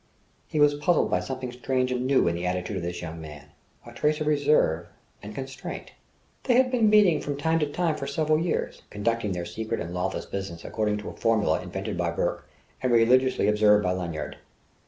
He was puzzled by something strange and new in the attitude of this young man, a trace of reserve and constraint.... They had been meeting from time to time for several years, conducting their secret and lawless business according to a formula invented by Bourke and religiously observed by Lanyard.